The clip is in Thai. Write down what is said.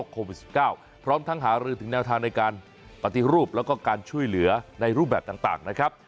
โควิด๑๙พร้อมทั้งหารือถึงแนวทางในการปฏิรูปแล้วก็การช่วยเหลือในรูปแบบต่างนะครับ